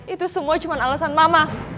itu semua cuma alasan mama